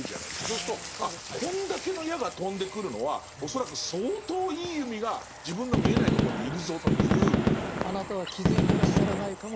そうするとあこんだけの矢が飛んでくるのは恐らく相当いい弓が自分の見えないとこにいるぞっていう。